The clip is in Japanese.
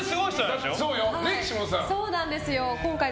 そうなんです。